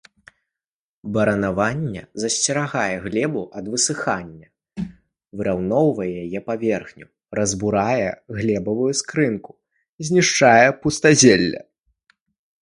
Баранаванне засцерагае глебу ад высыхання, выраўноўвае яе паверхню, разбурае глебавую скарынку, знішчае пустазелле.